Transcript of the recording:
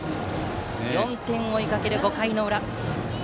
４点を追いかける５回の裏。